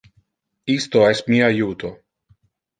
Isto es mi auto.